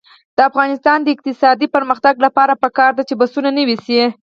د افغانستان د اقتصادي پرمختګ لپاره پکار ده چې بسونه نوي شي.